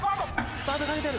スパートかけてる。